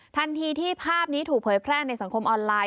ทันทีที่ภาพนี้ถูกเผยแพร่ในสังคมออนไลน